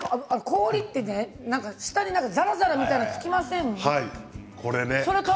氷って下にざらざらみたいなのつきません？